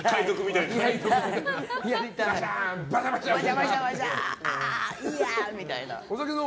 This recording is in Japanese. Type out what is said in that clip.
いいやみたいな。